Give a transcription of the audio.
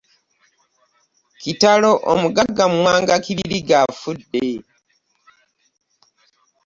Kitalo ! Omugagga Muwanga Kibirige afudde!